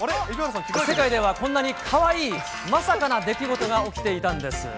世界ではこんなにかわいい、まさかな出来事が起きていたんです。